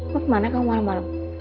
lo kemana kamu malam malam